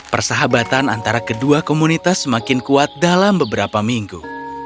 persahabatan antara kedua komunitas semakin kuat dalam beberapa minggu